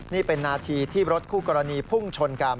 นี่เป็นนาทีที่รถคู่กรณีพุ่งชนกัน